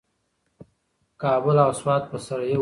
کابل او سوات به سره یو کړو.